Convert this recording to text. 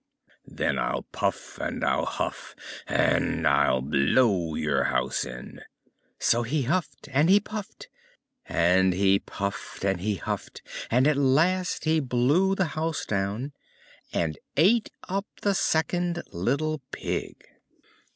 "Then I'll puff and I'll huff, and I'll blow your house in!" So he huffed and he puffed, and he puffed and he huffed, and at last he blew the house down, and ate up the second little Pig.